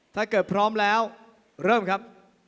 ถ้าเกิดพร้อมแล้วเริ่มครับ